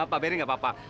pak beri gak apa apa